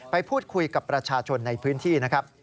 ไปพูดคุยกับประชาชนในพื้นที่นะครับ